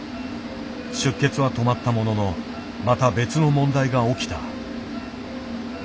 出血は止まったもののまた別の問題が起きた。